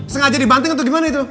sengaja dibanting atau gimana itu